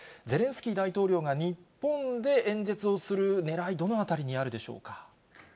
ゼレンスキー大統領が日本で演説をするねらい、どのあたりにあるでしょうか。